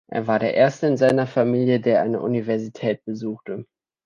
Er war der erste seiner Familie, der eine Universität besuchte.